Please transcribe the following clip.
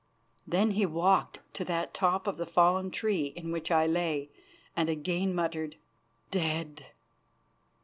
Then he walked to that top of the fallen tree in which I lay, and again muttered: "Dead!